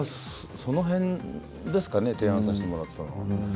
その辺ですかね提案させてもらったのは。